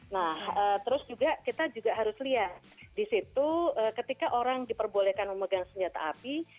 nah terus juga kita juga harus lihat di situ ketika orang diperbolehkan memegang senjata api